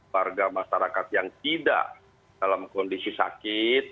warga masyarakat yang tidak dalam kondisi sakit